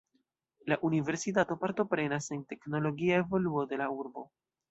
La universitato partoprenas en teknologia evoluo de la urbo.